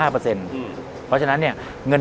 เพราะฉะนั้นเนี่ยเงิน